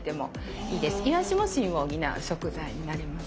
いわしも心を補う食材になります。